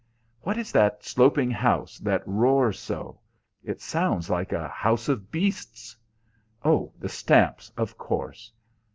"What is that sloping house that roars so? It sounds like a house of beasts. Oh, the stamps, of course!